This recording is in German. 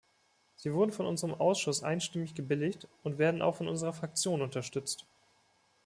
Sie wurden von unserem Ausschuss einstimmig gebilligt und werden auch von unserer Fraktion unterstützt.